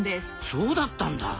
そうだったんだ。